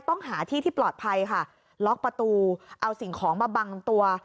ต้องหาที่ที่ปลอดภัยค่ะล็อกประตูเอาสิ่งของมาบังตัว